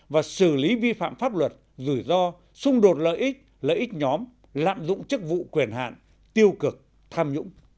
và xử lý vi phạm pháp luật rủi ro xung đột lợi ích lợi ích nhóm lạm dụng chức vụ quyền hạn tiêu cực tham nhũng